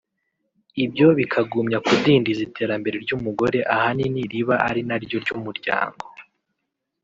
ibyo bikagumya kudindiza iterambere ry’umugore ahanini riba ari naryo ry’umuryango